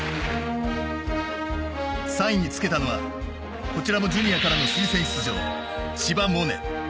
３位につけたのはこちらもジュニアからの推薦出場千葉百音。